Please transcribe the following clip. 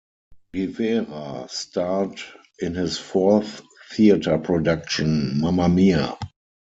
Rivera starred in his fourth theater production, Mamma Mia!